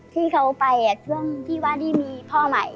ที่เขาไปอะเพื่อที่ว่าได้มีพ่อใหม่